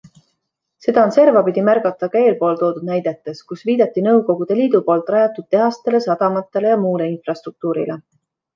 Seda on servapidi märgata ka eelpool toodud näidetes, kus viidati Nõukogude Liidu poolt rajatud tehastele, sadamatele ja muule infrastruktuurile.